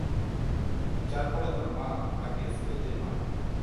যার ফলে তার মা তাকে স্কেল দিয়ে মারে।